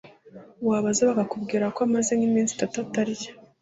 wabaza bakakubwira ko amaze nk’iminsi itatu atarya